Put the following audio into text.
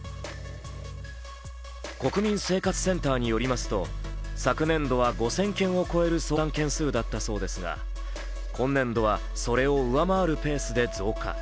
国民生活センターによりますと、昨年度は５０００件を超える相談件数だったそうですが、今年度はそれを上回るペースで増加。